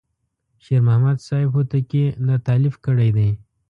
شیر محمد صاحب هوتکی دا تألیف کړی دی.